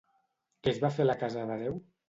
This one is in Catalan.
Què es va fer a la casa de Déu?